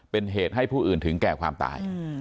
เป็นเหตุให้ผู้อื่นถึงแก่ความตาย